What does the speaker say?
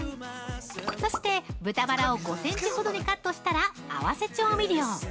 そして、豚バラを５センチほどにカットしたら合わせ調味料。